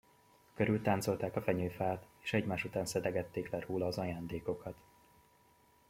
Körültáncolták a fenyőfát, és egymás után szedegették le róla az ajándékokat.